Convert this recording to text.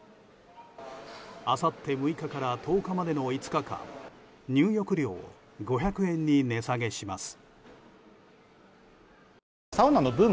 あさって６日から１０日までの５日間入浴料を５００円に値下げします。